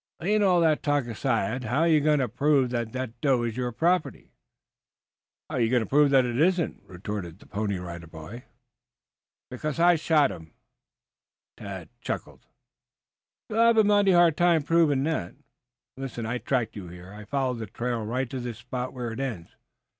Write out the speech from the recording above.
"Layin' all that talk aside, how you going to prove that that doe is your property?" "How are you going to prove that it isn't?" retorted the Pony Rider Boy. "Because I shot him." Tad chuckled. "You will have a mighty hard time proving that. Listen! I tracked you here. I followed the trail right to this spot where it ends.